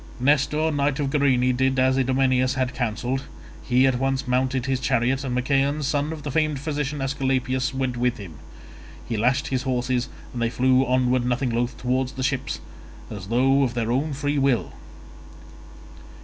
Nestor knight of Gerene did as Idomeneus had counselled; he at once mounted his chariot, and Machaon son of the famed physician Aesculapius, went with him. He lashed his horses and they flew onward nothing loth towards the ships, as though of their own free will.